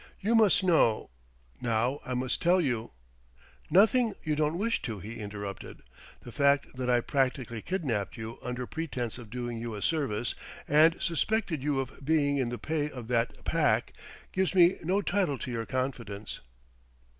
You must know ... now I must tell you ..." "Nothing you don't wish to!" he interrupted. "The fact that I practically kidnapped you under pretence of doing you a service, and suspected you of being in the pay of that Pack, gives me no title to your confidence."